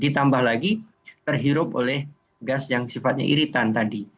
ditambah lagi terhirup oleh gas yang sifatnya iritan tadi